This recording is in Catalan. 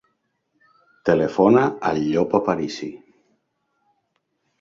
Telefona al Llop Aparisi.